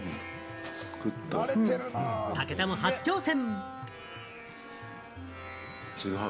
武田も初挑戦。